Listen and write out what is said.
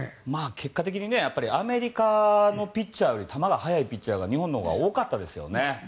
結果的にアメリカのピッチャーより球が速いピッチャーは日本のほうが多かったですね。